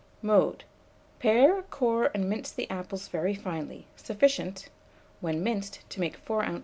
Mode. Pare, core, and mince the apples very finely, sufficient, when minced, to make 4 oz.